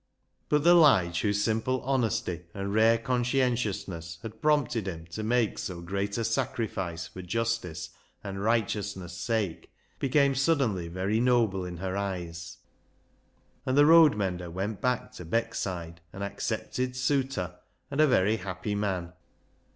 But the Lige whose simple honesty and rare conscientiousness had prompted him to make so great a sacrifice for justice and righteousness' sake became suddenly very noble in her eyes, and the road mender went back to Beckside an accepted suitor and a very happy man.